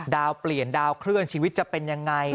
เปลี่ยนดาวเคลื่อนชีวิตจะเป็นยังไง